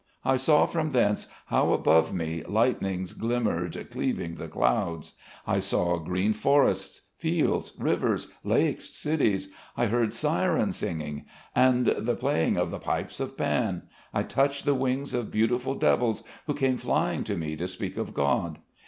I saw from thence how above me lightnings glimmered cleaving the clouds; I saw green forests, fields, rivers, lakes, cities; I heard syrens singing, and the playing of the pipes of Pan; I touched the wings of beautiful devils who came flying to me to speak of God....